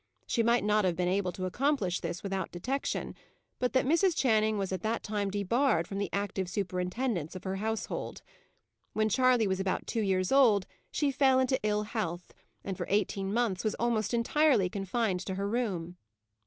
She might not have been able to accomplish this without detection, but that Mrs. Channing was at that time debarred from the active superintendence of her household. When Charley was about two years old she fell into ill health, and for eighteen months was almost entirely confined to her room.